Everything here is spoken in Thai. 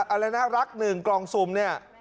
อะไรน่ารักหนึ่งกล่องสุ่มเนี่ย